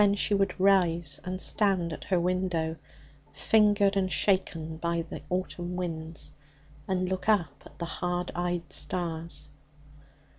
Then she would rise and stand at her window, fingered and shaken by the autumn winds, and look up at the hard eyed stars.